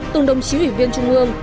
từng đồng chí ủy viên trung ương